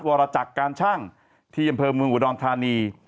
วรจักรการชั่งที่อำเภอเมืองอุดรธานี